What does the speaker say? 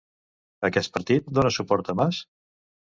Aquest partit dona suport a Mas?